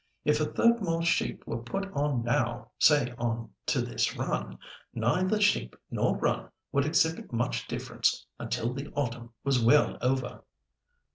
If a third more sheep were put on now, say on to this run, neither sheep nor run would exhibit much difference until the autumn was well over."